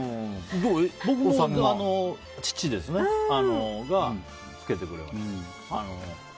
僕も父が付けてくれました。